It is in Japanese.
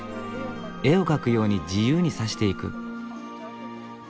絵を描くように自由に刺していく。